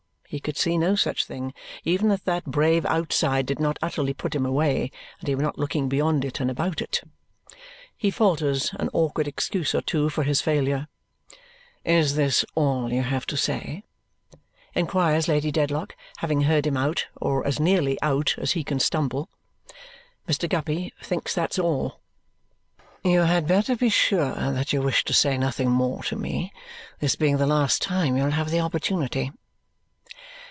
No, he could see no such thing, even if that brave outside did not utterly put him away, and he were not looking beyond it and about it. He falters an awkward excuse or two for his failure. "Is this all you have to say?" inquires Lady Dedlock, having heard him out or as nearly out as he can stumble. Mr. Guppy thinks that's all. "You had better be sure that you wish to say nothing more to me, this being the last time you will have the opportunity."